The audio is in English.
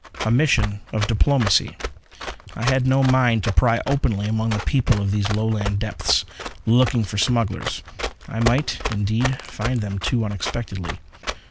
A mission of diplomacy. I had no mind to pry openly among the people of these Lowland depths, looking for smugglers. I might, indeed, find them too unexpectedly!